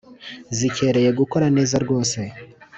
zikereye gukora neza rwose